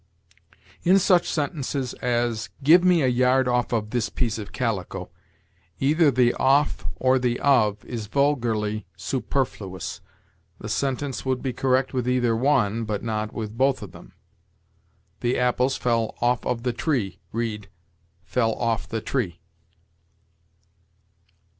In such sentences as, "Give me a yard off of this piece of calico," either the off or the of is vulgarly superfluous. The sentence would be correct with either one, but not with both of them. "The apples fell off of the tree": read, "fell off the tree."